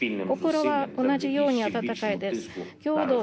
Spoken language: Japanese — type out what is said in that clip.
心は同じように温かいです。